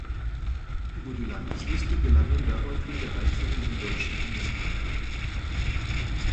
Über die Landesliste gelang ihm daraufhin der Einzug in den Deutschen Bundestag.